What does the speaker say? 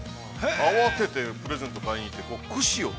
慌てて、プレゼント買いに行って、くしをね、